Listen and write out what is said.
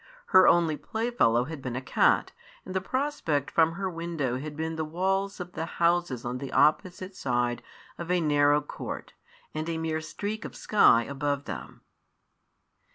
Her only playfellow had been a cat, and the prospect from her window had been the walls of the houses on the opposite side of a narrow court, and a mere streak of sky above them.